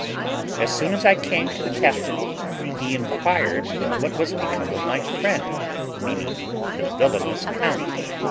"As soon as I came to the captain he enquired what was become of my friend, meaning the villanous count.